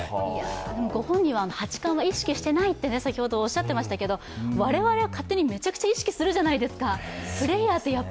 ご本人は八冠は意識していないと先ほどおっしゃっていましたけど、我々は勝手にめちゃくちゃ意識するじゃないですか。